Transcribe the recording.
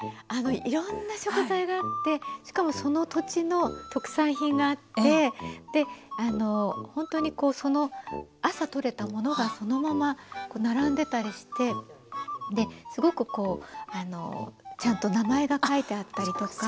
いろんな食材があってしかもその土地の特産品があってほんとにその朝取れたものがそのまま並んでたりしてすごくこうちゃんと名前が書いてあったりとか。